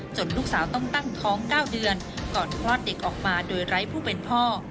ลูกสาวต้องตั้งท้อง๙เดือนก่อนคลอดเด็กออกมาโดยไร้ผู้เป็นพ่อ